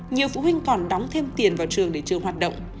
nhiều phụ huynh còn đóng thêm tiền vào trường để trường hoạt động